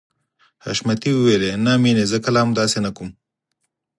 حشمتي وويل نه مينې زه کله هم داسې نه کوم.